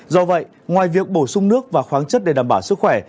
do vậy ngoài việc bổ sung nước và khoáng chất để đảm bảo sức khỏe